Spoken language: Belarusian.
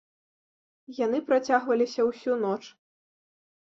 Яны працягваліся ўсю ноч.